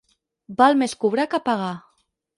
Val més cobrar que pagar.